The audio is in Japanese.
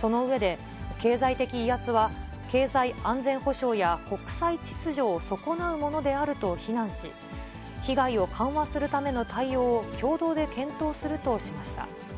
その上で、経済的威圧は、経済安全保障や国際秩序を損なうものであると非難し、被害を緩和するための対応を共同で検討するとしました。